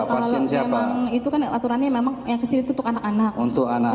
karena itu kan aturannya memang yang kecil itu untuk anak anak